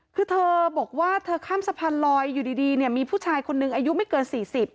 คือเธอบอกว่าเธอข้ามสะพานลอยอยู่ดีเนี่ยมีผู้ชายคนนึงอายุไม่เกิน๔๐